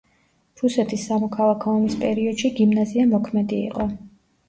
რუსეთის სამოქალაქო ომის პერიოდში გიმნაზია მოქმედი იყო.